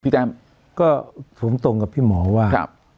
พี่แก้มก็ผมตรงกับพี่หมอว่า